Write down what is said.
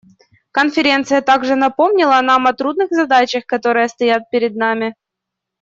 Конференция также напомнила нам о трудных задачах, которые стоят перед нами.